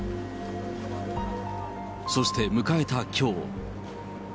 そして、迎えたきょう。